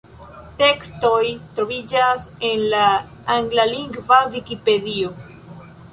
Tekstoj troviĝas en la anglalingva Vikipedio.